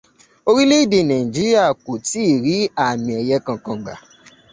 Orílẹ́èdè Nàíjíríà kò tíì rí àmì ẹ̀yẹ kankan gbà.